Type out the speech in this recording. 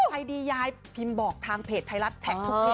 ใครดียายพิมพ์บอกทางเพจไทยรัฐแท็กทุกเพจ